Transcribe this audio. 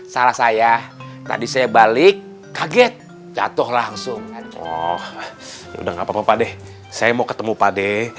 salah saya tadi saya balik kaget jatuh langsung oh udah ngapain padeh saya mau ketemu padeh